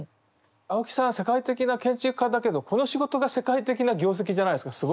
青木さんは世界的な建築家だけどこの仕事が世界的な業績じゃないですか。